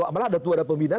malah ada tua dan pembinaan